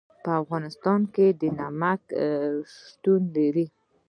په افغانستان کې نمک شتون لري.